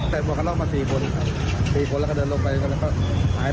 นี่ครับคุณผู้ชมครับคุณขวัญครับ